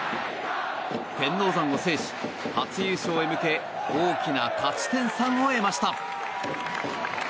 天王山を制し、初優勝へ向け大きな勝ち点３を得ました。